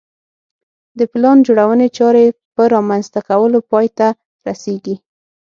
د پلان جوړونې چارې په رامنځته کولو پای ته رسېږي.